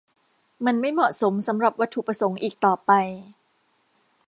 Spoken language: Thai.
มันไม่เหมาะสมสำหรับวัตถุประสงค์อีกต่อไป